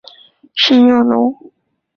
圣热龙。